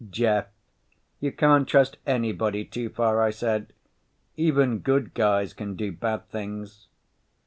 "Jeff, you can't trust anybody too far," I said. "Even good guys can do bad things.